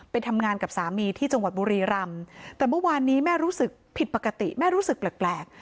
ไปทำงานกับสามีที่จังหวัดบุรีรำแต่เมื่อวานนี้แม่รู้สึกผิดปกติแม่รู้สึกแปลก